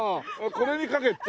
これに書けって？